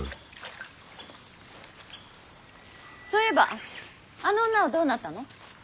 そういえばあの女はどうなったの。